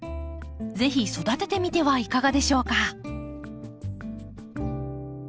ぜひ育ててみてはいかがでしょうか？